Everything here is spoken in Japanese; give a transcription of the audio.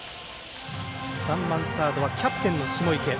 ３番、サードはキャプテンの下池。